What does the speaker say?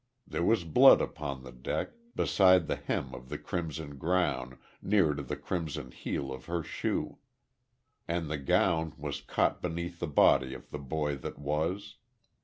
There was blood upon the deck beside the hem of the crimson gown, near to the crimson heel of her shoe. And the gown was caught beneath the body of the boy that was.